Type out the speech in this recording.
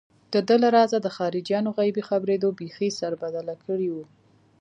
دده له رازه د خارجيانو غيبي خبرېدو بېخي سربداله کړی و.